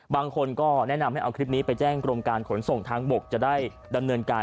บางคนก็แนะนำให้เอาคลิปนี้ไปแจ้งกรมการขนส่งทางบกจะได้ดำเนินการ